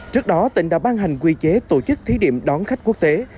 trước đó tỉnh đã ban hành quy chế tổ chức thí điểm đón khách quốc tế